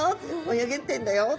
泳げてんだよと。